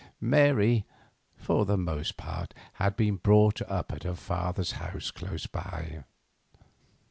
Mary, for the most part, had been brought up at her father's house, close by.